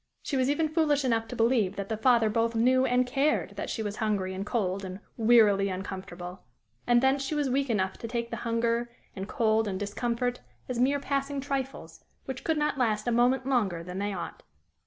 She was even foolish enough to believe that that Father both knew and cared that she was hungry and cold and wearily uncomfortable; and thence she was weak enough to take the hunger and cold and discomfort as mere passing trifles, which could not last a moment longer than they ought.